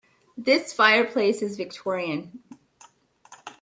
This fireplace is Victorian.